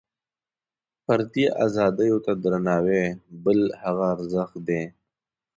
فردي ازادیو ته درناوۍ بل هغه ارزښت دی.